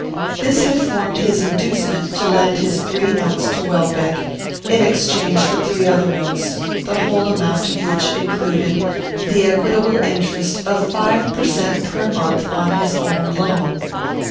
This had formed his inducement to lend his three notes to Welbeck, in exchange for three other notes, the whole amount of which included the equitable interest of five per cent. per month on his own loan.